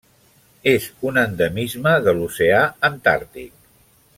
És un endemisme de l'Oceà Antàrtic.